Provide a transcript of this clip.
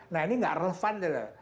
nah ini nggak relevan loh